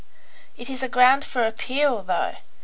"It is a ground for appeal, though.